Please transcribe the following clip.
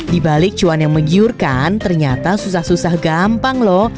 di balik cuan yang menggiurkan ternyata susah susah gampang loh